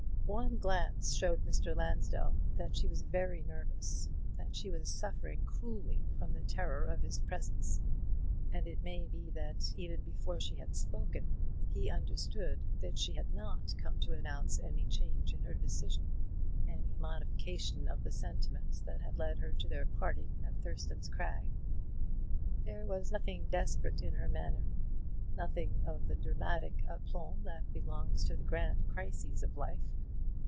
One glance showed Mr. Lansdell that she was very nervous, that she was suffering cruelly from the terror of his presence; and it may be that even before she had spoken, he understood that she had not come to announce any change in her decision, any modification of the sentiments that had led to their parting at Thurston's Crag. There was nothing desperate in her manner nothing of the dramatic aplomb that belongs to the grand crises of life.